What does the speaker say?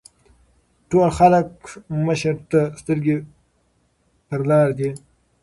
ټول خلک مشر ته سترګې پۀ لار دي ـ